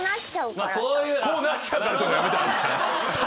こうなっちゃうからって言うのやめてあのちゃん。